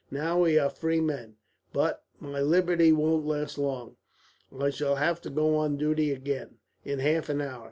"Now we are free men, but my liberty won't last long. I shall have to go on duty again, in half an hour.